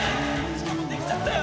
しかもできちゃったよ。